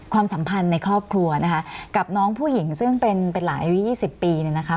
สัมพันธ์ในครอบครัวนะคะกับน้องผู้หญิงซึ่งเป็นหลานอายุ๒๐ปีเนี่ยนะคะ